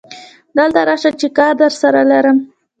دلته ته راشه چې کار درسره لرم